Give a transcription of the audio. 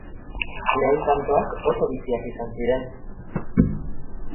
Lehen tantoak oso biziak izan ziren.